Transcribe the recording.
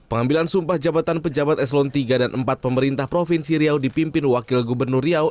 pengambilan sumpah jabatan pejabat eselon tiga dan empat pemerintah provinsi riau dipimpin wakil gubernur riau